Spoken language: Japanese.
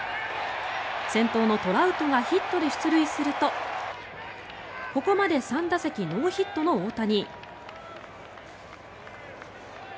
先頭のトラウトがヒットで出塁するとここまで３打席ノーヒットの大谷。